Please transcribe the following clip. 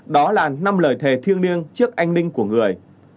đó là năm lời thề thiêng niêng trước anh ninh của người